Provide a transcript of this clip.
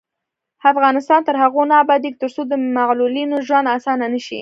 افغانستان تر هغو نه ابادیږي، ترڅو د معلولینو ژوند اسانه نشي.